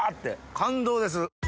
感動です。